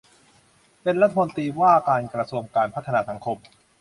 เป็นรัฐมนตรีว่าการกระทรวงการพัฒนาสังคม